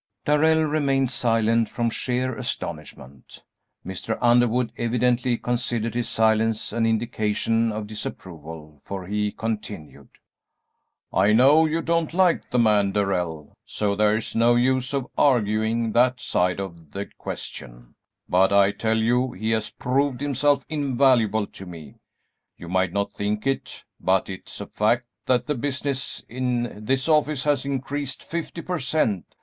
Darrell remained silent from sheer astonishment. Mr. Underwood evidently considered his silence an indication of disapproval, for he continued: "I know you don't like the man, Darrell, so there's no use of arguing that side of the question, but I tell you he has proved himself invaluable to me. You might not think it, but it's a fact that the business in this office has increased fifty per cent.